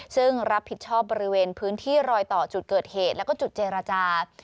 ซึ่งรับผิดชอบบริเวณพื้นที่รอยต่อจุดเกิดเหตุแล้วก็จุดเจรจา